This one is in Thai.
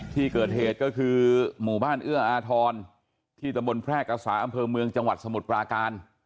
ที่เกิดเหตุก็คือหมู่บ้านเอื้ออาทรที่ตะบนแพร่กษาอำเภอเมืองจังหวัดสมุทรปราการ